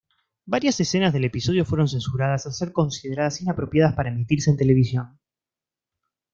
Varias escenas del episodio fueron censuradas al ser consideradas inapropiadas para emitirse en televisión.